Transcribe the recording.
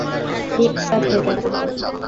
ঠিক আছে দেখা যাবে।